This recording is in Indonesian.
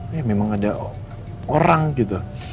ya memang ada orang gitu